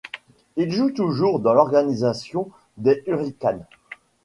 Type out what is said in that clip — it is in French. Il joue toujours dans l'organisation des Hurricanes.